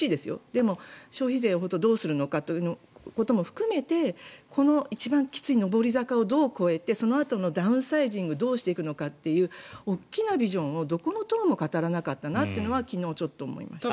でも、消費税をどうするのかということも含めてこの一番きつい上り坂をどう越えてそのあとのダウンサイジングをどうしていくのかという大きなビジョンを、どこの党も語らなかったなというのが昨日、ちょっと思いました。